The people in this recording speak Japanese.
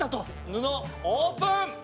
布オープン！